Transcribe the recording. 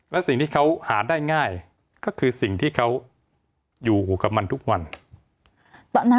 แล้วสิ่งที่เขาหาได้ง่ายก็คือสิ่งที่เขาอยู่อยู่กับมันทุกวัน